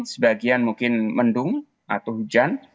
sebagian mungkin mendung atau hujan